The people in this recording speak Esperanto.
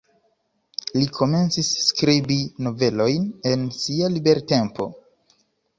Li komencis skribi novelojn en sia libertempo.